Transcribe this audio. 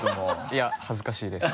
いや恥ずかしいです。